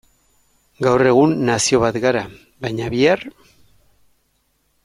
Gaur egun nazio bat gara, baina bihar?